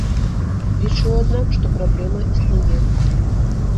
Лічу, аднак, што праблема існуе.